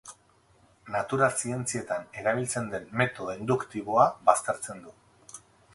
Natura zientzietan erabiltzen den metodo induktiboa baztertzen du.